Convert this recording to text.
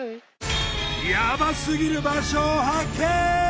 ヤバすぎる場所を発見！